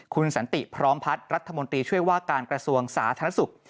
คุณสันติพร้อมพัฒน์รัฐมนตรีช่วยว่าการกระทรวงสาธารณสุข